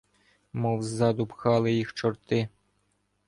Мов ззаду пхали їх чорти.